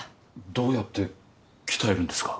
どうやって鍛えるんですか？